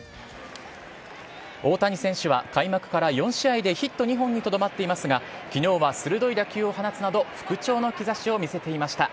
大谷選手は開幕から４試合でヒット２本にとどまっていますが、きのうは鋭い打球を放つなど、復調の兆しを見せていました。